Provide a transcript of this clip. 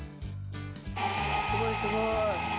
すごいすごい。